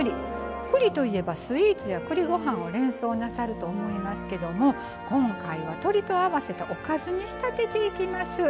栗といえばスイーツや栗ご飯を連想なさると思いますけど今回は鶏と合わせたおかずに仕立てていきます。